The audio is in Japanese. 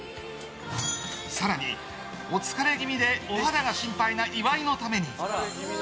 更に、お疲れ気味でお肌が心配な岩井のために。